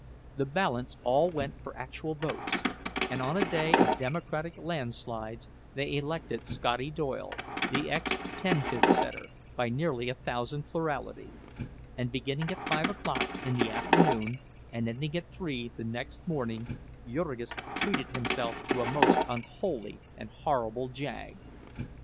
The balance all went for actual votes, and on a day of Democratic landslides they elected "Scotty" Doyle, the ex tenpin setter, by nearly a thousand plurality—and beginning at five o'clock in the afternoon, and ending at three the next morning, Jurgis treated himself to a most unholy and horrible "jag."